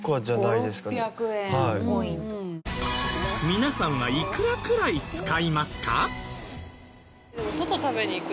皆さんはいくらくらい使いますか？